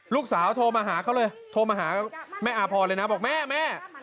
โทรมาหาเขาเลยโทรมาหาแม่อาพรเลยนะบอกแม่แม่